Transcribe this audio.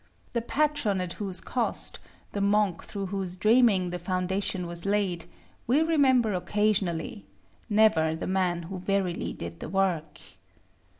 The patron at whose cost, the monk through whose dreaming, the foundation was laid, we remember occasionally; never the man who verily did the work.